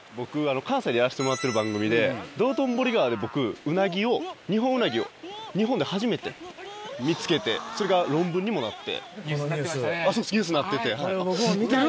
関西でやらせてもらってる番組で道頓堀川で僕ウナギをニホンウナギを日本で初めて見つけてそれが論文にもなって。